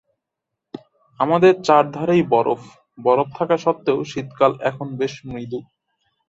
আমাদের চারধারেই বরফ! বরফ থাকা সত্ত্বেও শীতকাল এখানে বেশ মৃদু।